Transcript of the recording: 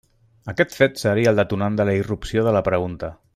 Aquest fet seria el detonant de la irrupció de la pregunta.